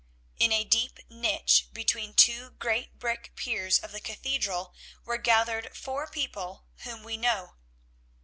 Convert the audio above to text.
In a deep niche between two great brick piers of the cathedral were gathered four people whom we know.